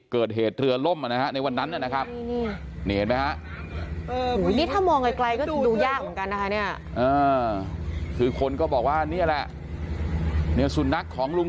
เกิดเหตุเรือล่มอะนะฮะในวันนั้นนี่นะครับนี่อันนี้นั่นเลย